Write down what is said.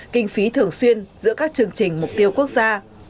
kinh phí thường xuyên giữa các chương trình mục tiêu quốc gia